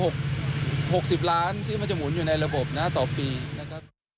๖๐ล้านที่มันจะหมุนอยู่ในระบบนะต่อปีนะครับ